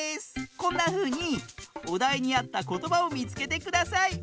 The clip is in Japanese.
こんなふうにおだいにあったことばをみつけてください！